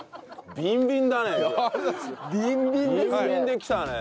ビンビンできたね。